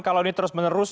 kalau ini terus menerus